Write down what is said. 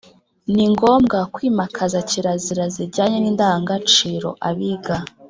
Ni ngombwa kwimakaza kirazira zijyana n’indangagaciro, abiga